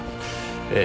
ええ。